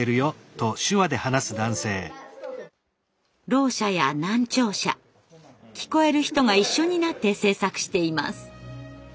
ろう者や難聴者聞こえる人が一緒になって制作しています。